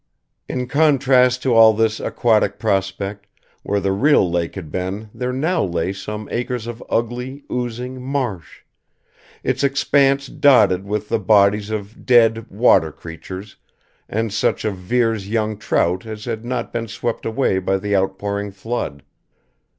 In contrast to all this aquatic prospect, where the real lake had been there now lay some acres of ugly, oozing marsh; its expanse dotted with the bodies of dead water creatures and such of Vere's young trout as had not been swept away by the outpouring flood.